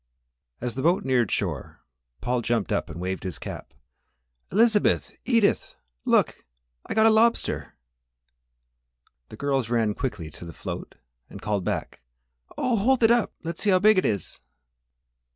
As the boat neared shore Paul jumped up and waved his cap. "Eliz zabeth! E ed ith! Look I got a lobster!" The girls ran quickly to the float and called back, "Oh, hold it up let's see how big it is?"